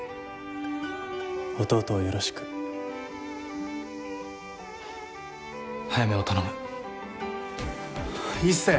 弟をよろしく早梅を頼む壱成！